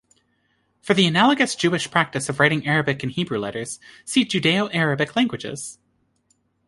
For the analogous Jewish practice of writing Arabic in Hebrew letters, see Judeo-Arabic languages.